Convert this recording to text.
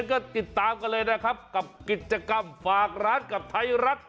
ก็ติดตามกันเลยนะครับกับกิจกรรมฝากร้านกับไทยรัฐ